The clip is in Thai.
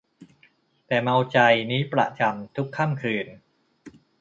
แต่เมาใจ นี้ประจำ ทุกค่ำคืน